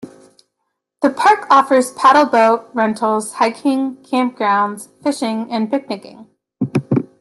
The park offers paddleboat rentals, hiking, camp-grounds, fishing and picnicking.